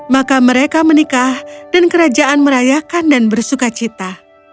maka mereka menikah dan kerajaan merayakan dan bersuka cita